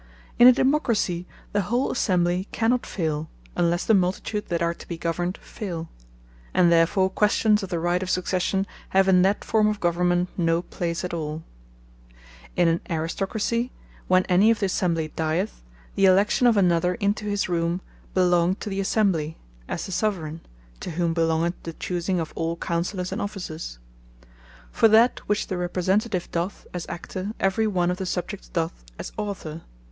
In a Democracy, the whole Assembly cannot faile, unlesse the Multitude that are to be governed faile. And therefore questions of the right of Succession, have in that forme of Government no place at all. In an Aristocracy, when any of the Assembly dyeth, the election of another into his room belongeth to the Assembly, as the Soveraign, to whom belongeth the choosing of all Counsellours, and Officers. For that which the Representative doth, as Actor, every one of the Subjects doth, as Author.